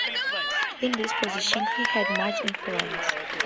In this position, he had much influence.